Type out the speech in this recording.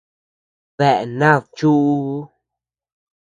¿Dea nad chuʼuu?